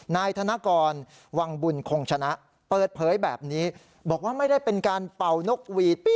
นายธนกรวังบุญคงชนะเปิดเผยแบบนี้บอกว่าไม่ได้เป็นการเป่านกหวีดปี